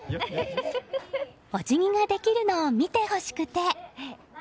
おじぎができるのを見てほしくて。